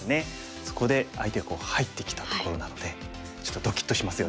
そこで相手が入ってきたところなのでちょっとドキッとしますよね。